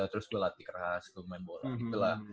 terus gue latih keras gitu main bola gitu lah